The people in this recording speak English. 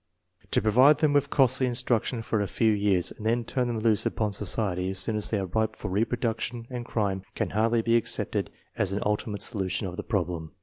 To provide them with costly in struction for a few years, and then turn them loose upon society as soon as they are ripe for reproduction and crime, can hardly be accepted as an ultimate solution of the problem.